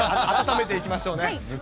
改めていきましょうね。